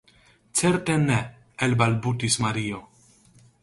Certe ne, elbalbutis Mario.